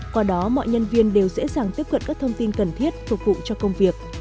qua đó mọi nhân viên đều dễ dàng tiếp cận các thông tin cần thiết phục vụ cho công việc